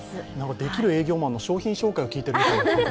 できる営業マンの商品紹介を聞いてるようです。